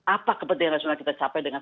apa kepentingan nasional kita capai dengan